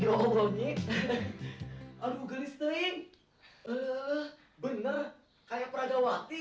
ya allah nih aduh gelis teling bener kayak peragam wati